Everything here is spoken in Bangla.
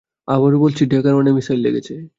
আবারো বলছি, ড্যাগার ওয়ানে মিশাইল লেগেছে!